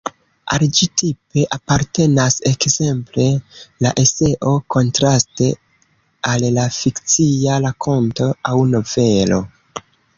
Al ĝi tipe apartenas, ekzemple, la eseo kontraste al la fikcia rakonto aŭ novelo.